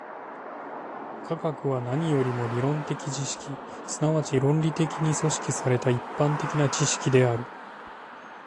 科学は何よりも理論的知識、即ち論理的に組織された一般的な知識である。